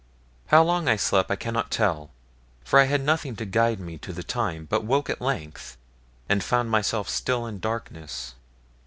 How long I slept I cannot tell, for I had nothing to guide me to the time, but woke at length, and found myself still in darkness.